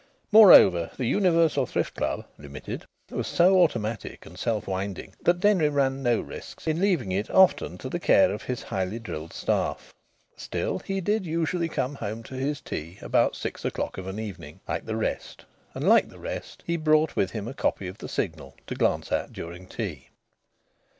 Moreover, the Universal Thrift Club (Limited) was so automatic and self winding that Denry ran no risks in leaving it often to the care of his highly drilled staff. Still, he did usually come home to his tea about six o'clock of an evening, like the rest, and like the rest, he brought with him a copy of the Signal to glance at during tea.